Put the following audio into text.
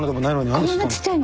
こんなちっちゃいの。